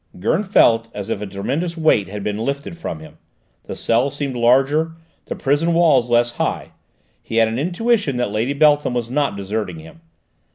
Gurn felt as if a tremendous weight had been lifted from him; the cell seemed larger, the prison walls less high; he had an intuition that Lady Beltham was not deserting him.